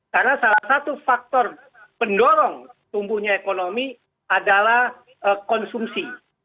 karena salah satu faktor pendorong tumbuhnya ekonomi adalah konsumsi